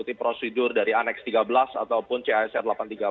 mengikuti prosedur dari aneks tiga belas ataupun casr delapan ratus tiga puluh